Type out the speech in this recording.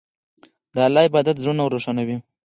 د الله عبادت زړونه روښانوي.